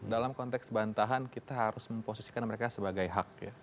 dalam konteks bantahan kita harus memposisikan mereka sebagai hak ya